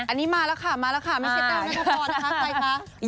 อันนี้มาแล้วค่ะไม่ใช่แปลวแม่ทุกคน